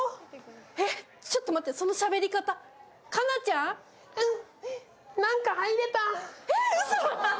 えっちょっと待って、そのしゃべり方、かなちゃん？え、うそ！